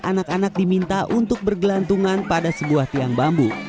anak anak diminta untuk bergelantungan pada sebuah tiang bambu